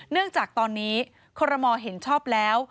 เนื่องจากตอนนี้คอรมอลเห็นชอบแล้ว